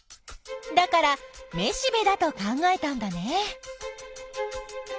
だからめしべだと考えたんだね。